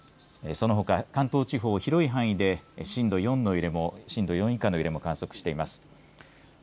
また、そのほか関東地方、広い範囲で震度４の揺れも震度４以下の揺れも観測しています。